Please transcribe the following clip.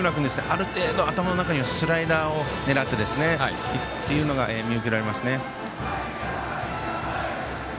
ある程度、頭の中にはスライダーを狙ってというのが見受けられますね。